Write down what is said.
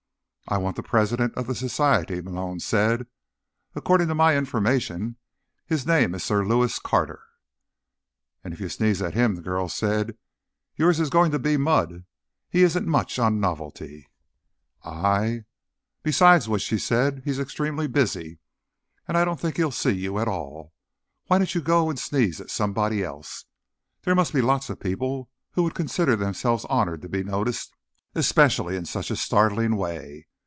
"I want the president of the Society," Malone said. "According to my information, his name is Sir Lewis Carter." "And if you sneeze at him," the girl said, "yours is going to be mud. He isn't much on novelty." "I—" "Besides which," she said, "he's extremely busy. And I don't think he'll see you at all. Why don't you go and sneeze at somebody else? There must be lots of people who would consider themselves honored to be noticed, especially in such a startling way.